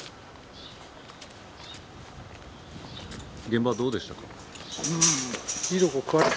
現場どうでしたか？